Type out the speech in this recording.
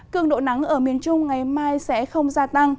cường độ nắng ở miền trung ngày mai sẽ không gia tăng